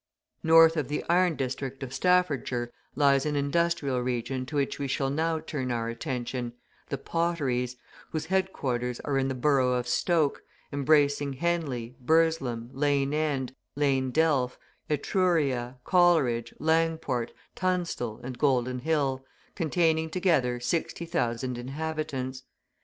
North of the iron district of Staffordshire lies an industrial region to which we shall now turn our attention, the Potteries, whose headquarters are in the borough of Stoke, embracing Henley, Burslem, Lane End, Lane Delph, Etruria, Coleridge, Langport, Tunstall, and Golden Hill, containing together 60,000 inhabitants.